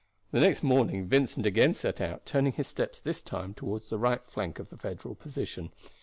The next morning Vincent again set out, turning his steps this time toward the right flank of the Federal position.